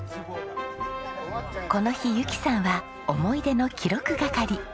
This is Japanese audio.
この日ゆきさんは思い出の記録係。